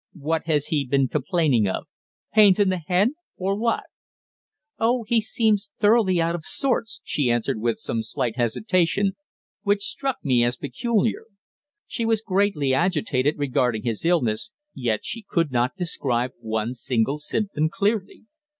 "What has he been complaining of? Pains in the head or what?" "Oh, he's seemed thoroughly out of sorts," she answered after some slight hesitation, which struck me as peculiar. She was greatly agitated regarding his illness, yet she could not describe one single symptom clearly.